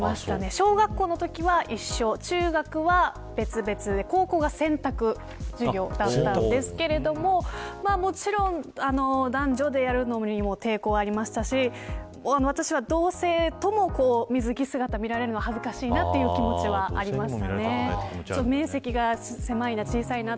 小学校のときは一緒中学は別々で高校が選択授業だったんですけれどももちろん男女でやるのにも抵抗がありましたし私は同性にも水着姿を見られるの恥ずかしいという気持ちがありました。